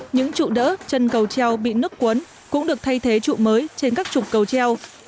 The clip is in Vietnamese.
những trụ đỡ chân cầu treo bị nước cuốn cũng được thay thế trụ mới trên các trục cầu treo